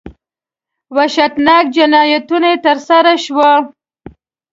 وحشتناک جنایتونه ترسره شوي.